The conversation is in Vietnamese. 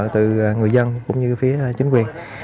từ người dân cũng như phía chính quyền